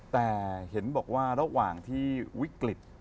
แต่เห็นบอกว่าระหว่างที่วิกฤต